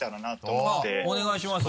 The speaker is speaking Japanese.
あっお願いします。